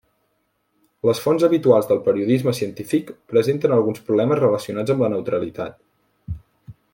Les fonts habituals del periodisme científic presenten alguns problemes relacionats amb la neutralitat.